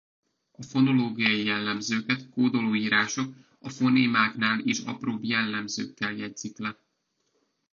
A fonológiai jellemzőket kódoló írások a fonémáknál is apróbb jellemzőket jegyzik le.